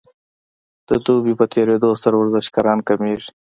د دوبي په تیریدو سره ورزشکاران کمیږي